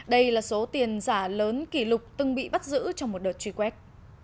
đây là số tiền giả lớn kỷ lục từng bị bắt giữ trong một đợt truy quét